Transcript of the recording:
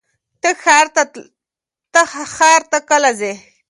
ته ښار ته کله ځې؟